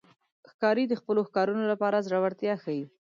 ښکاري د خپلو ښکارونو لپاره زړورتیا ښيي.